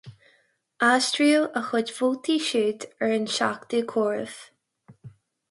Aistríodh a chuid vótaí siúd ar an seachtú comhaireamh.